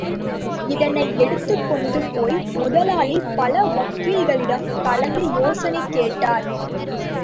இதை எடுத்துக்கொண்டு போய் முதலாளி பல வக்கீல்களிடம் கலந்து யோசனை கேட்டார்.